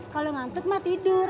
kalau ngantuk mak tidur